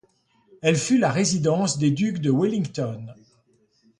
Elle fut la résidence des ducs de Wellington.